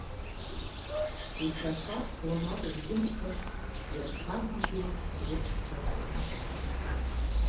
Иҭахарц уамак згымхаз ирхагьежьуаз дрыцхраауан.